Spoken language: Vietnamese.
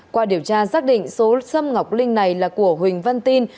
qua điều tra xác định số sâm ngọc linh này là của huỳnh văn tin